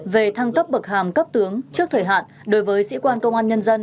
về thăng cấp bậc hàm cấp tướng trước thời hạn đối với sĩ quan công an nhân dân